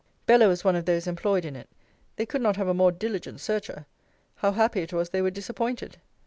Bella was one of those employed in it. They could not have a more diligent searcher. How happy it was they were disappointed!